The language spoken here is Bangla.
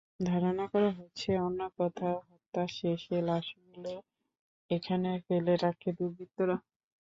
ধারণা করা হচ্ছে, অন্য কোথাও হত্যা শেষে লাশগুলো এখানে ফেলে রাখে দুর্বৃত্তরা।